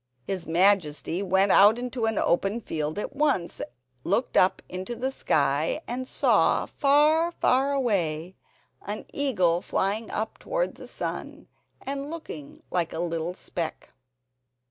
His Majesty went out into an open field at once, looked up into the sky and saw, far, far away, an eagle flying up towards the sun and looking like a little speck.